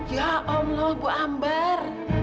ya allah ibu amber